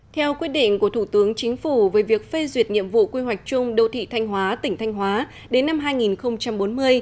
theo quyết định của thủ tướng chính phủ về việc phê duyệt nhiệm vụ quy hoạch chung đô thị thanh hóa tỉnh thanh hóa đến năm hai nghìn bốn mươi